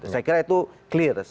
saya kira itu clear